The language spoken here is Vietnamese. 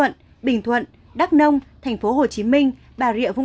sẽ mất phí ba mươi giá vé